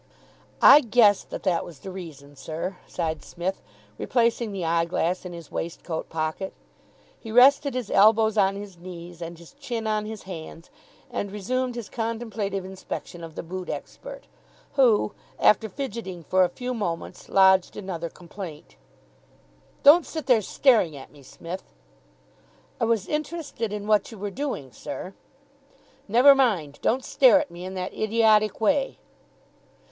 "I guessed that that was the reason, sir," sighed Psmith replacing the eyeglass in his waistcoat pocket. He rested his elbows on his knees, and his chin on his hands, and resumed his contemplative inspection of the boot expert, who, after fidgeting for a few moments, lodged another complaint. "Don't sit there staring at me, Smith." "I was interested in what you were doing, sir." "Never mind. Don't stare at me in that idiotic way."